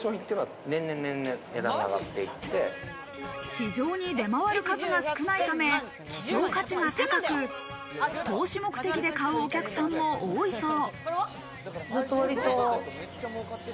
市場に出回る数が少ないため希少価値が高く、投資目的で買うお客さんも多いそう。